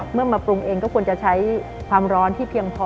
เมื่อมาปรุงเองก็ควรจะใช้ความร้อนที่เพียงพอ